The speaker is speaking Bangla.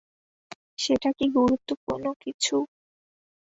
সেটা কি গুরুত্বপূর্ণ কিছু?